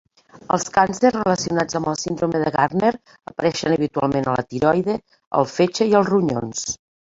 Els càncers relacionats amb la síndrome de Gardner apareixen habitualment a la tiroide, el fetge i els ronyons.